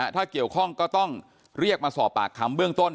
ถ้าเกี่ยวข้องก็ต้องเรียกมาสอบปากคำเบื้องต้น